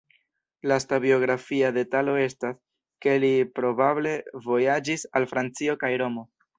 Lasta biografia detalo estas, ke li probable vojaĝis al Francio kaj Romo.